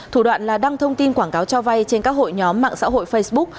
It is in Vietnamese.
thủ đoạn là đăng thông tin quảng cáo cho vay trên các hội nhóm mạng xã hội facebook